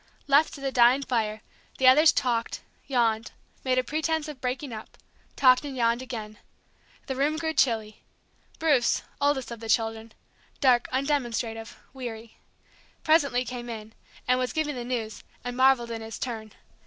Left to the dying fire, the others talked, yawned, made a pretence of breaking up: talked and yawned again. The room grew chilly. Bruce, oldest of the children, dark, undemonstrative, weary, presently came in, and was given the news, and marvelled in his turn.